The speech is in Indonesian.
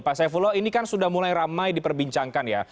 pak saifullah ini kan sudah mulai ramai diperbincangkan ya